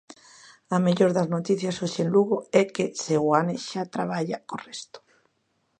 A mellor das noticias hoxe en Lugo é que Seoane xa traballa co resto.